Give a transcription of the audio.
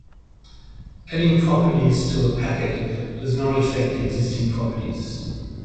Adding properties to a packet does not affect existing properties.